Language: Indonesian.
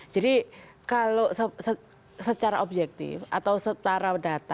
jadi kalau secara objektif atau secara data